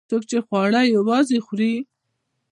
څوک چې خواړه یوازې خوري.